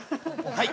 ◆はい？